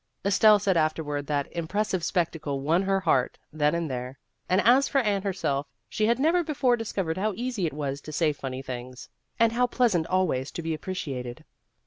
Estelle said afterward that " impressive spectacle " won her heart then and there ; and as for Anne herself, she had never be fore discovered how easy it was to say funny things, and how pleasant always to be appreciated.